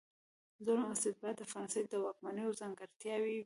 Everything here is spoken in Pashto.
ظلم او استبداد د فرانسې د واکمنیو ځانګړتیاوې وې.